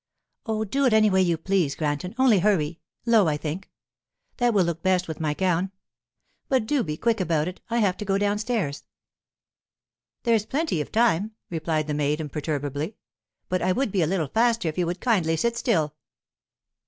'Oh, do it any way you please, Granton, only hurry—low, I think. That will look best with my gown. But do be quick about it. I have to go downstairs.' 'There's plenty of time,' replied the maid, imperturbably. 'But I would be a little faster if you would kindly sit still.